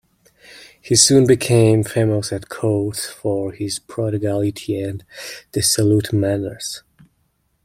He soon became famous at court for his prodigality and dissolute manners.